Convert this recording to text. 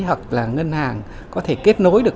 hoặc là ngân hàng có thể kết nối được